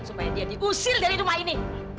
supaya dia diusir dari rumah ini